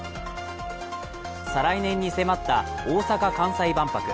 再来年に迫った大阪・関西万博。